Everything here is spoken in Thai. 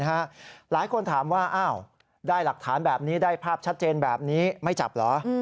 หลายคนถามว่าอ้าวได้หลักฐานแบบนี้ได้ภาพชัดเจนแบบนี้ไม่จับเหรอ